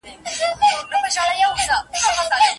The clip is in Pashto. ایران به له موږ څخه مالونه وپېري.